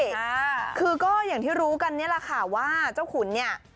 อ่าคือก็อย่างที่รู้กันนี่แหละค่ะว่าเจ้าขุนเนี่ย